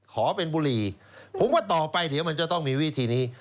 ขอเป็นบุหรี่ผมว่าต่อไปเดี๋ยวมันจะต้องมีวิธีนี้